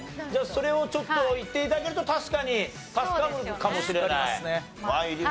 じゃあそれをちょっといって頂けると確かに助かるかもしれない。